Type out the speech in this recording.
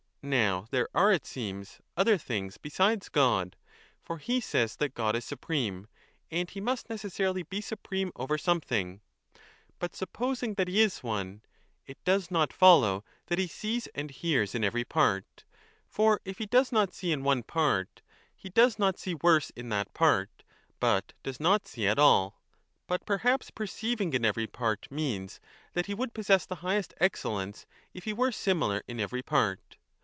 Now there are, it seems, other things besides God ; for he says that God is supreme, and he must neces sarily be supreme over something. But i supposing that he is one, it does not follow that he sees and hears in every part ; for if he does not see in one part, he does not see worse in that part, but does not see 5 at all. But perhaps perceiving in every part means that he would possess the highest excellence if he were similar in every part.